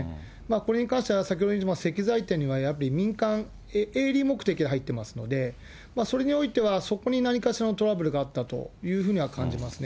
これに関しては、先ほど、石材店、やはり民間、営利目的が入ってますので、それにおいては、そこに何かしらのトラブルがあったというふうには感じますね。